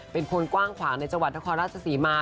เป็นคนกว้างขวางในจังหวัดนครราชศรีมา